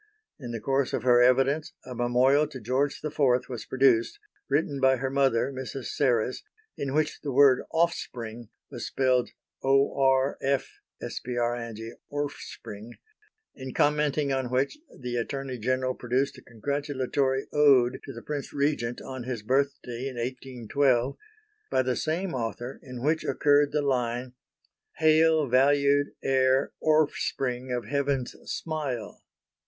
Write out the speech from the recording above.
In the course of her evidence a Memorial to George IV was produced, written by her mother, Mrs. Serres, in which the word offspring was spelled "orfspring"; in commenting on which the Attorney General produced a congratulatory Ode to the Prince Regent on his birthday in 1812, by the same author, in which occurred the line: "Hail valued heir orfspring of Heaven's smile."